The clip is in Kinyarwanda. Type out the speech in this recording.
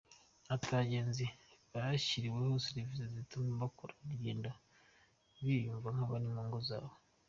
Ati “Abagenzi bashyiriweho serivisi zizatuma bakora urugendo biyumva nk’abari mu ngo zabo.